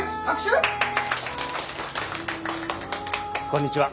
こんにちは。